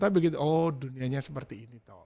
tapi begitu oh dunianya seperti ini tuh